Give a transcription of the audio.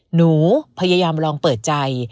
หนูพยายามลองเปิดใจ